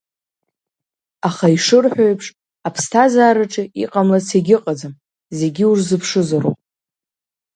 Аха ишырҳәо еиԥш, аԥсҭазаараҿы иҟамлац егьыҟаӡам зегьы урзыԥшызароуп.